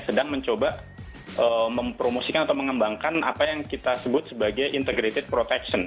sedang mencoba mempromosikan atau mengembangkan apa yang kita sebut sebagai integrated protection